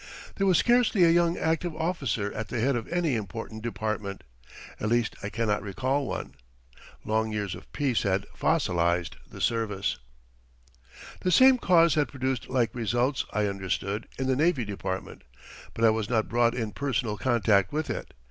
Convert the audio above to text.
There was scarcely a young active officer at the head of any important department at least I cannot recall one. Long years of peace had fossilized the service. The same cause had produced like results, I understood, in the Navy Department, but I was not brought in personal contact with it.